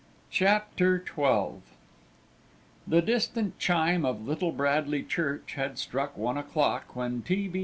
CHAPTER XII The distant chime of Little Bradley church had struck one o'clock, when T. B.